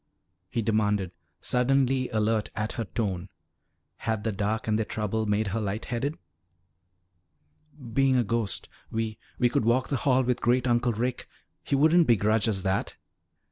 he demanded, suddenly alert at her tone. Had the dark and their trouble made her light headed? "Being a ghost. We we could walk the hall with Great uncle Rick; he wouldn't begrudge us that."